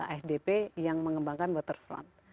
asdp yang mengembangkan waterfront